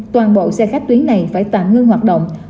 toàn bộ xe khách tuyến này phải tạm ngưng hoạt động